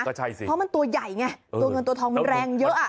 เพราะมันตัวใหญ่ไงตัวเงินตัวทองมันแรงเยอะอ่ะ